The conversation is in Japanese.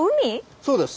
そうです。